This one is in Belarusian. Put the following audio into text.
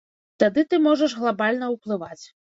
Тады ты можаш глабальна ўплываць.